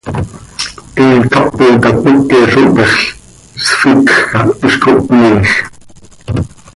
He cápota cmeque zo pexl, sficj cah, hiz cohpmiij.